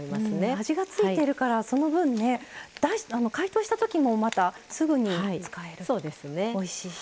味が付いてるからその分、解凍したときにすぐに使えると、おいしいし。